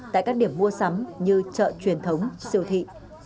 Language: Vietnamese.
tại các điểm mua sắm như chợ truyền thống siêu thị